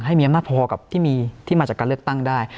ให้มีอำนาจพอกับที่มีที่มาจากการเลือกตั้งได้